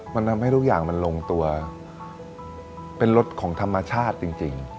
มันทำให้ทุกอย่างมันลงตัวเป็นรถของธรรมชาติจริง